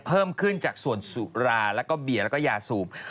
เพิ่มขึ้นจากส่วนสุรราก็บียนและยาสูบ